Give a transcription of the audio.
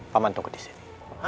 paman tunggu disini